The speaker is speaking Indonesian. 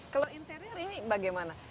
kalau interior ini bagaimana